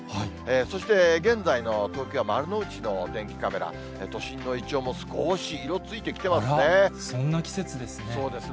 そして現在の東京は丸の内のお天気カメラ、都心のイチョウも少しそんな季節ですね。